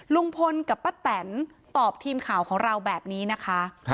ลุงพลกับป้าแตนตอบทีมข่าวของเราแบบนี้นะคะ